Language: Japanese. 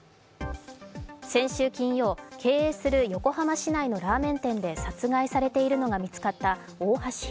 先週金曜、経営する横浜市内のラーメン店で殺害されているのが見つかった大橋弘